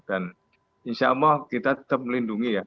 insya allah kita tetap melindungi ya